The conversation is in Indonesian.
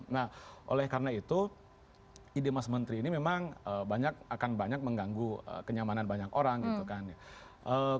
nah oleh karena itu ide mas menteri ini memang akan banyak mengganggu kenyamanan banyak orang gitu kan